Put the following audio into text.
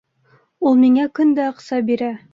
Ул миңә көн дә аҡса бирә.